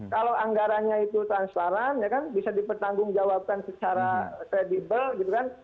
kalau anggarannya itu transparan ya kan bisa dipertanggungjawabkan secara kredibel gitu kan